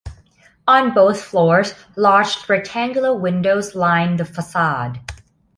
On both floors, large rectangular windows line the facade.